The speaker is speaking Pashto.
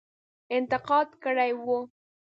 انتقاد کړی وو.